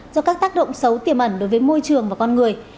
do các tác động xấu tiềm ẩn đối với môi trường và con người